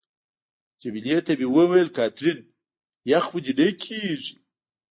جميله ته مې وویل: کاترین، یخ خو دې نه کېږي؟